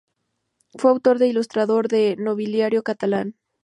Fue autor e ilustrador de "Nobiliario catalán".